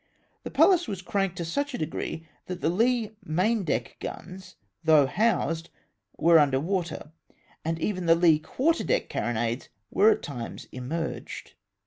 The Pallas was crank to such a degree, that the lee main deck guns, though housed, were under water, and even the lee quarter deck carronades were at times immerged.